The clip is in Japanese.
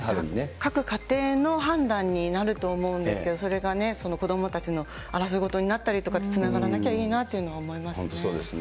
各家庭の判断になると思うんですけれども、それがね、子どもたちの争い事になったりとかって、つながらなきゃいいなと本当、そうですね。